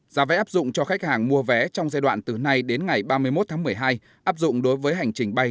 giá vé áp dụng cho khách hàng mua vé trong giai đoạn từ nay đến ngày ba mươi một tháng một mươi hai áp dụng đối với hành trình bay